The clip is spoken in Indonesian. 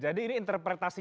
jadi ini interpretasi